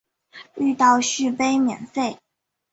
遇到续杯免费